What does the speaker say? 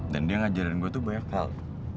dan dia ngajarin gue tuh banyak hal